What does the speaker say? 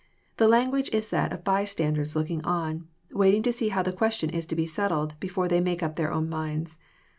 The language is that of bystanders looking on, waiting to see how the question is to be settled, before they make up their own minds.